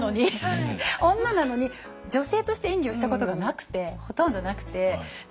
女なのに女性として演技をしたことがほとんどなくて。